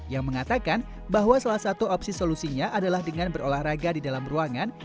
yang mengatakan bahwa salah satu opsi solusinya adalah dengan berolahraga di dalam ruangan